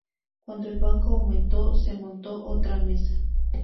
Cuando el banco aumentó, se montó otra mesa.